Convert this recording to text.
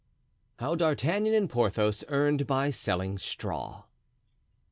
How D'Artagnan and Porthos earned by selling Straw.